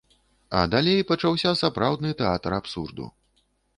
А далей пачаўся сапраўдны тэатр абсурду.